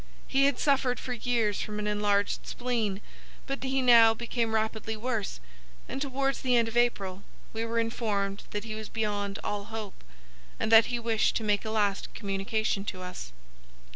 He had suffered for years from an enlarged spleen, but he now became rapidly worse, and towards the end of April we were informed that he was beyond all hope, and that he wished to make a last communication to us.